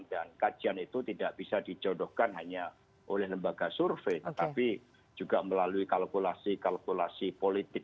dan kajian itu tidak bisa dijodohkan hanya oleh lembaga survei tetapi juga melalui kalkulasi kalkulasi politik